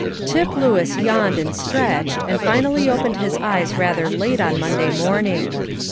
Tip Lewis yawned and stretched, and finally opened his eyes rather late on Monday morning.